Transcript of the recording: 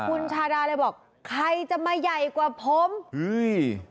คุณชาดาเลยบอกใครจะมาใหญ่กว่าผมอุ้ย